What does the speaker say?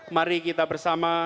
mari kita bersama